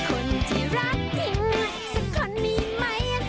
คนที่รักจริงสักคนมีไหม